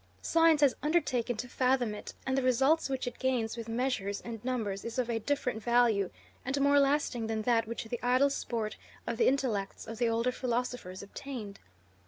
Science has undertaken to fathom it, and the results which it gains with measures and numbers is of a different value and more lasting than that which the idle sport of the intellects of the older philosophers obtained.